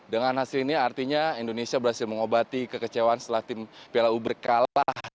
dengan hasil ini artinya indonesia berhasil mengobati kekecewaan setelah tim plu berkalah